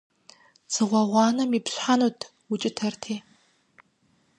Дзыгъуэ гъуанэм ипщхьэнут, укӀытэрти.